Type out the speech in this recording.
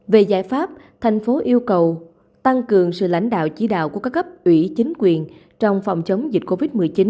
về giải pháp thành phố yêu cầu tăng cường sự lãnh đạo chỉ đạo của các cấp ủy chính quyền trong phòng chống dịch covid một mươi chín